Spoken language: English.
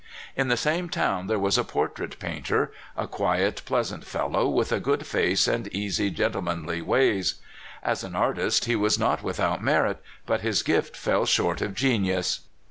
In the same town there was a portrait painter, a quiet, pleasant fellow, with a good face and easy, gentlemanly ways. As an artist he was not with out merit, but his gift fell short of genius.